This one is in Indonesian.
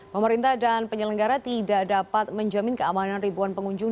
pemerintah dan penyelenggara tidak dapat menjamin keamanan ribuan pengunjung